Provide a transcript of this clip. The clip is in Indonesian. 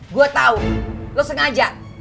gue tau lo sengaja